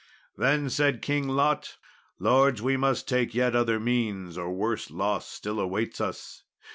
Then said King Lot, "Lords, we must take yet other means, or worse loss still awaits us.